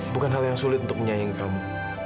bukan hal yang sulit untuk menyayang kamu